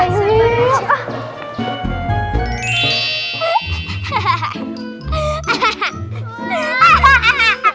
ngapain aja tuh apaan mereka